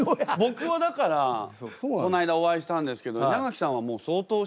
僕はだからこないだお会いしたんですけど稲垣さんはもう相当お久しぶりで？